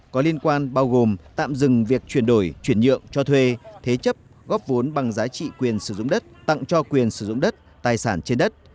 có liên quan bao gồm tạm dừng việc chuyển đổi chuyển nhượng cho thuê thế chấp góp vốn bằng giá trị quyền sử dụng đất tặng cho quyền sử dụng đất tài sản trên đất